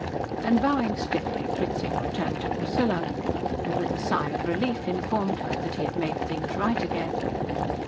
And bowing stiffly Fritzing returned to Priscilla, and with a sigh of relief informed her that he had made things right again.